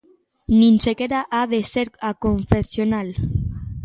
Nin sequera ha de ser aconfesional.